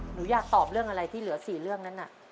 หนูอยากตอบเรื่องอะไรที่เหลือ๔เรื่องนั้นน่ะ